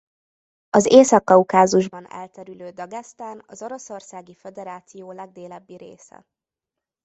Az Észak-Kaukázusban elterülő Dagesztán az Oroszországi Föderáció legdélebbi része.